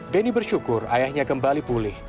beni bersyukur ayahnya kembali pulih